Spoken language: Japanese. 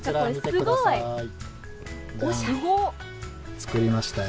作りましたよ。